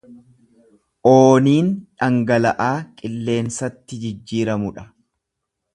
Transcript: Ooniin dhangala’aa qilleensatti jijjiiramu dha.